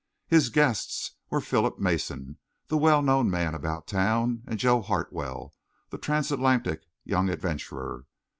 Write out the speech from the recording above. His guests were Philip Mason, the well known man about town, and Joe Hartwell, the trans atlantic young adventurer.